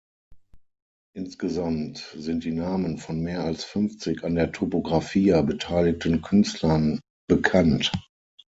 Insgesamt sind die Namen von mehr als fünfzig an der "Topographia" beteiligten Künstlern bekannt.